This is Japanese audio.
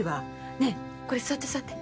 ねえこれ座って座って。